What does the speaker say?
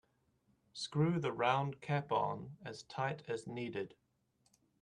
Screw the round cap on as tight as needed.